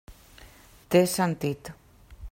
Té sentit.